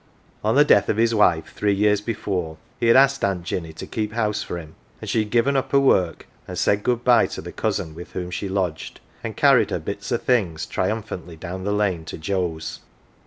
On the death of his wife, three years before, he had asked Aunt Jinny to keep house for him, and she had given up her work, said good bye to the cousin with whom she lodged, and carried her "bits o' things" triumphantly down the lane to Joe's.